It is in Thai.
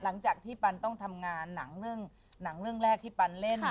หลังจากที่ปันต้องทำงานหนังเรื่องหนังเรื่องแรกที่ปันเล่น